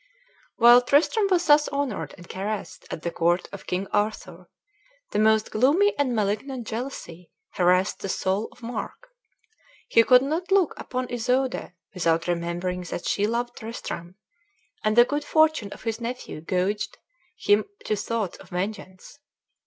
While Tristram was thus honored and caressed at the court of King Arthur, the most gloomy and malignant jealousy harassed the soul of Mark. He could not look upon Isoude without remembering that she loved Tristram, and the good fortune of his nephew goaded him to thoughts of vengeance.